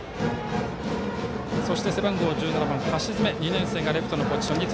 そして、背番号１７番、橋詰２年生がレフトのポジションに